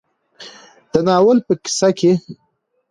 د ناول په کيسه کې